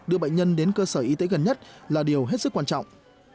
vậy nhân đến cơ sở y tế gần nhất là điều hết sức quan trọng